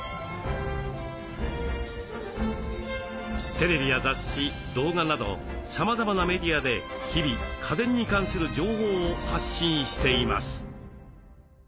テレビや雑誌動画などさまざまなメディアで日々家電に関する情報を発信しています。